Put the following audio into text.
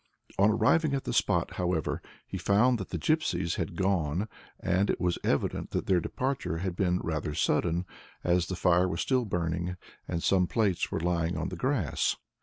On arriving at the spot, however, he found that the gipsies had gone, and it was evident that their departure had been rather sudden, as the fire was still burning, and some plates were lying on the grass.